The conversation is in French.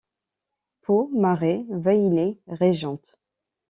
Po-maré Vahiné, régente.